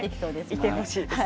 いてほしいです。